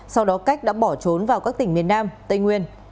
sau đó cách đã bỏ trốn vào các tỉnh miền nam tây nguyên